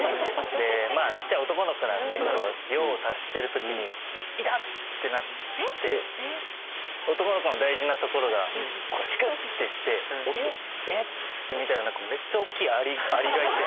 でまあちっちゃい男の子なんで用を足してるときに痛っ！ってなって男の子の大事なところがちくってしてえっ？って見たらめっちゃおっきいアリがいて。